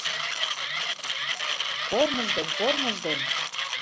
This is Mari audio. Кормыж ден кормыж ден